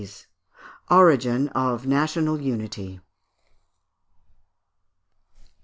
Origin of National Unity.